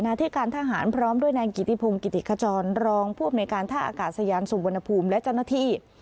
นาทีการทหารพร้อมด้วยนางกิติพุมกิติคจรลองผวบในการท่าอากาศสะยานสวนภูมิและจนธิ